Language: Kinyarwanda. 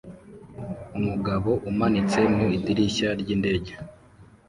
Umugabo umanitse mu idirishya ryindege